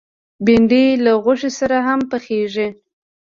بېنډۍ له غوښې سره هم پخېږي